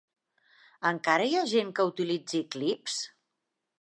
Encara hi ha gent que utilitzi clips?